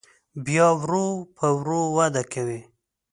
بیا ورو په ورو وده کوي.